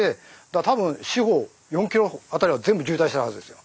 多分四方４キロあたりは全部渋滞してたはずですよ。